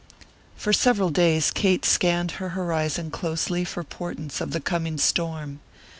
For several days Kate scanned her horizon closely for portents of the coming storm.